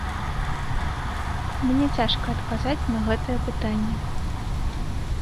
Мне цяжка адказаць на гэтае пытанне.